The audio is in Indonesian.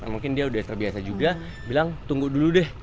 mungkin dia udah terbiasa juga bilang tunggu dulu deh